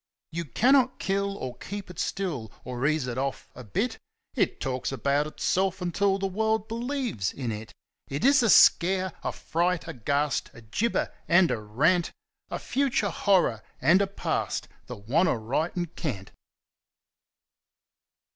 You cannot kill or keep It still, or ease It off a bit; It talks about Itself until the world believes in It. It is a Scare, a Fright, a Ghast, a Gibber, and a Rant, A future Horror and a Past, the Wantaritencant!